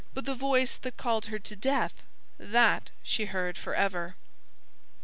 But the voice that called her to death, that she heard for ever.